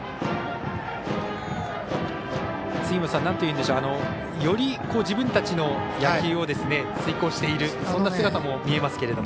なんというんでしょうより自分たちの野球を遂行しているそんな姿も見えますが。